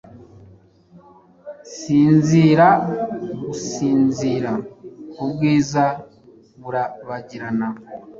Sinzira! gusinzira! ubwiza burabagirana,